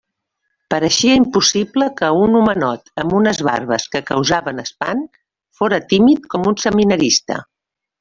Pareixia impossible que un homenot amb unes barbes que causaven espant, fóra tímid com un seminarista.